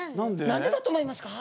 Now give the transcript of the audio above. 何でだと思いますか？